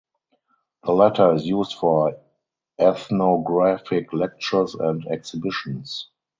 The latter is used for ethnographic lectures and exhibitions.